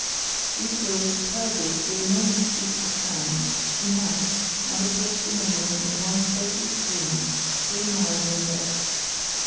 These roll superbly through enormous sheets of sand, unite and approach the mainland in one stately stream three miles in breadth.